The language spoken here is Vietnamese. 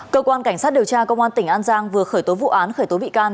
cơ quan cảnh sát điều tra công an tỉnh an giang vừa khởi tố vụ án khởi tố bị can